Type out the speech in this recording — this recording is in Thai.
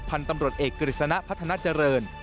พันธุ์ตำรวจเอกกฤษณะพัฒนาเจริญ